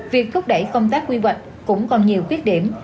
việc thúc đẩy công tác quy hoạch cũng còn nhiều khuyết điểm